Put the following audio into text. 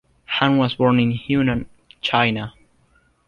Han was born in Hunan, China.